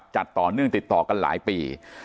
จัดต่อเนื่องติดต่อกันหลายปี